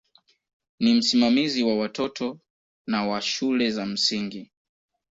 Ni msimamizi wa watoto na wa shule za msingi.